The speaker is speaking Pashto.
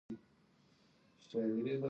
-بیک سمند: